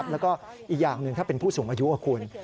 แล้วก็อีกอย่างหนึ่งถ้าเป็นผู้สูงอายุคุณ